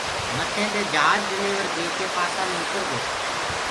مٿينٚدي جھاج ڊليورو ديک ڪي پاسا مي اُترگو